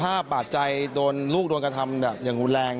ถ้าบาดใจโดนลูกโดนกระทำแบบอย่างรุนแรง